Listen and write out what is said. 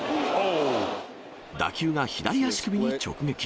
打球が左足首に直撃。